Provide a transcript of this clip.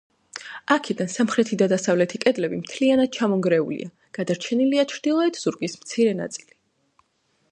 აქედან სამხრეთი და დასავლეთი კედლები მთლიანად ჩამონგრეულია, გადარჩენილია ჩრდილოეთ ზურგის მცირე ნაწილი.